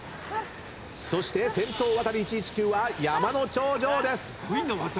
そして先頭ワタリ１１９は山の頂上です。